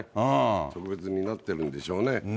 特別になってるんでしょうね。